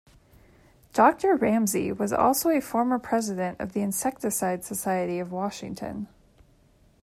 Doctor Ramsay was also a former president of the Insecticide Society of Washington.